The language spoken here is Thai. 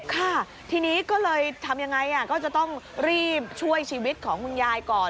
ค่ะทีนี้ก็เลยทำยังไงก็จะต้องรีบช่วยชีวิตของคุณยายก่อน